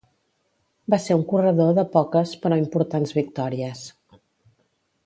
Va ser un corredor de poques però importants victòries.